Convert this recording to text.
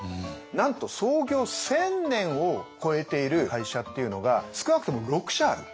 なんと創業１，０００年を超えている会社っていうのが少なくとも６社ある。